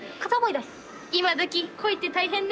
今どき恋って大変ね。